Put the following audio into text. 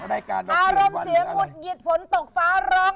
อารมณ์เสียงหุดหยิดฝนตกฟ้าร้อง